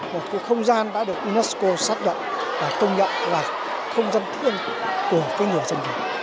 một cái không gian đã được unesco xác định và công nhận là không gian thiêng của cái người dân việt